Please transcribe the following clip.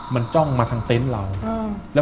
มันจ้องมาทางเต็นต์เรา